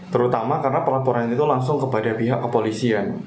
terutama karena pelaporan itu langsung kepada pihak kepolisian